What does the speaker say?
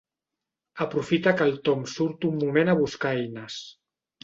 Aprofita que el Tom surt un moment a buscar eines.